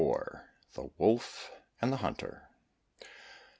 THE WOLF AND THE HUNTER.